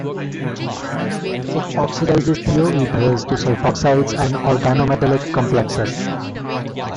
It oxidizes thioethers to sulfoxides and organometallic complexes.